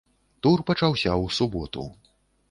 Тур пачаўся ў суботу.